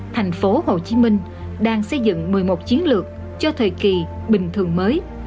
tp hcm đang xây dựng một mươi một chiến lược cho thời kỳ bình thường mới